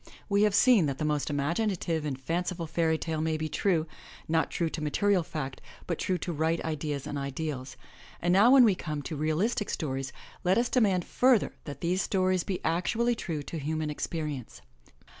We have seen that the most imaginative and fanciful fairy tale may be true, not true to material fact, but true to right ideas and ideals, and now when we come to realistic stories let us demand further that these stories be actually true to human experience.